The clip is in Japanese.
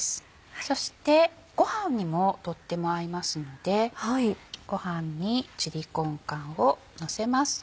そしてご飯にもとっても合いますのでご飯にチリコンカーンをのせます。